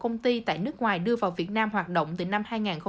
công ty tại nước ngoài đưa vào việt nam hoạt động từ năm hai nghìn bảy